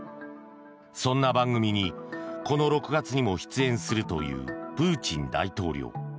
そんな番組にこの６月にも出演するというプーチン大統領。